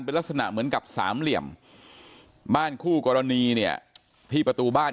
เป็นลักษณะเหมือนกับสามเหลี่ยมบ้านคู่กรณีเนี่ยที่ประตูบ้าน